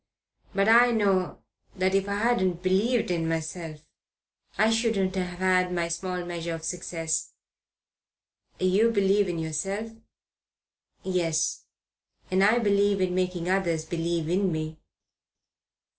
But I know that if I hadn't believed in myself I shouldn't have had my small measure of success." "You believe in yourself?" "Yes. And I believe in making others believe in me."